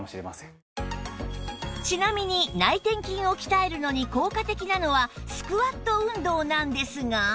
ちなみに内転筋を鍛えるのに効果的なのはスクワット運動なんですが